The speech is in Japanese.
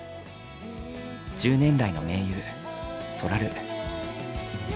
１０年来の盟友そらる。